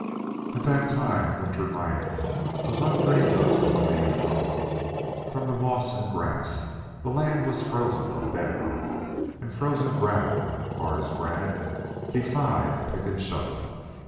At that time, winter mining was undreamed of on the Yukon. From the moss and grass the land was frozen to bed rock, and frozen gravel, hard as granite, defied pick and shovel.